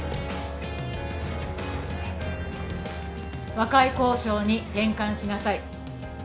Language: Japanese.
和解交渉に転換しなさい。